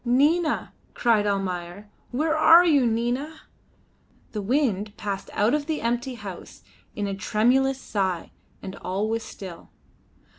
"Nina!" cried Almayer. "Where are you, Nina?" The wind passed out of the empty house in a tremulous sigh, and all was still.